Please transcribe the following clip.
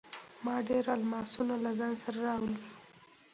ما ډیر الماسونه له ځان سره راوړل.